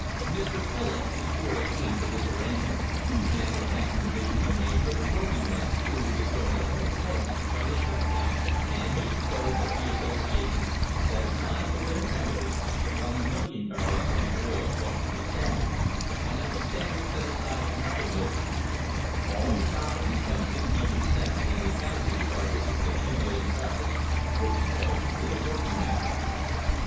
Mr. Phillips, before agreeing to this arrangement, demanded that provision be made for the workingmen who would be thrown out of employment by the shut down, and he proposed that the association set aside for their benefit 1,000,000 barrels of the oil bought from the Standard, and that the Standard set aside another million; all the profits above sixty two cents and the carry ing charges on the 2,000,000 barrels were to go to the work ingmen.